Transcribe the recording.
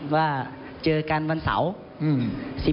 ว่าเจอกันวันเสาร์